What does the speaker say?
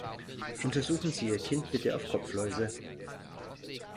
Untersuchen Sie Ihr Kind bitte auf Kopfläuse!